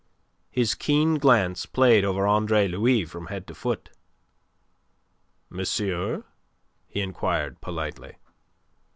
His keen glance played over Andre Louis from head to foot. "Monsieur?" he inquired, politely.